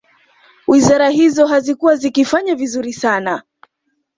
Wizara hizo hazikuwa zikifanya vizuri sana